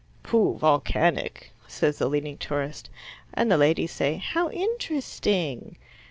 "Pooh, volcanic!" says the leading tourist, and the ladies say how interesting.